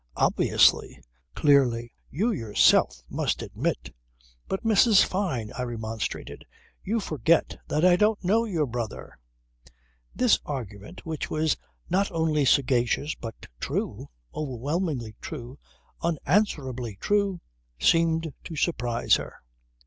"Obviously! Clearly! You yourself must admit ..." "But, Mrs. Fyne," I remonstrated, "you forget that I don't know your brother." This argument which was not only sagacious but true, overwhelmingly true, unanswerably true, seemed to surprise her.